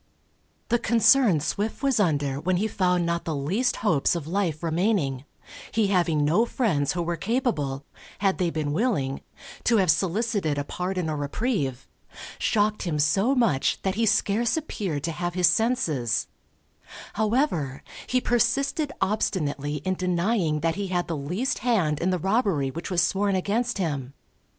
The concern Swift was under when he found not the least hopes of life remaining, he having no friends who were capable (had they been willing) to have solicited a pardon or reprieve, shocked him so much that he scarce appeared to have his senses; however, he persisted obstinately in denying that he had the least hand in the robbery which was sworn against him.